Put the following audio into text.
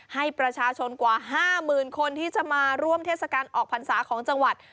ให้ประชาชนกว่า๕๐๐๐คนที่จะมาร่วมเทศกาลออกพรรษาของจังหวัด